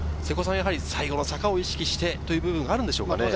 最後の坂を意識してという部分があるんでしょうか？